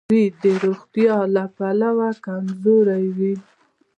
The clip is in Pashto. ټپي د روغتیا له پلوه کمزوری وي.